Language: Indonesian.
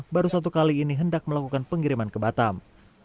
baru satu kali ini hendak melakukan pengiriman ke batam